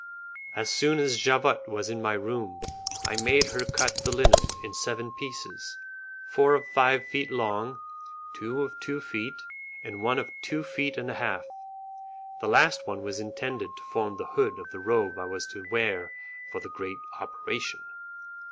As soon as Javotte was in my room, I made her cut the linen in seven pieces, four of five feet long, two of two feet, and one of two feet and a half; the last one was intended to form the hood of the robe I was to wear for the great operation.